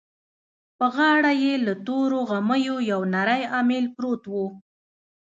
په غاړه يې له تورو غميو يو نری اميل پروت و.